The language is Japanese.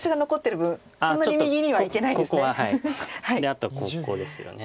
あとここですよね。